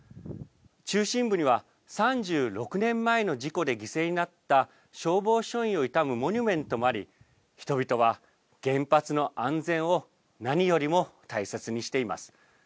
中心部には、３６年前の事故で犠牲になった消防署員を悼むモニュメントもあり、人々は原発の安全を何よりも大切にしています。